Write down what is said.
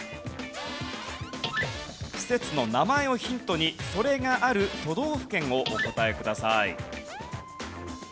施設の名前をヒントにそれがある都道府県をお答えください。